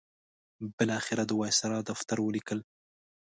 بالاخره د وایسرا دفتر ولیکل.